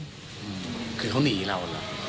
ก็เกิดเขานีเราหรือ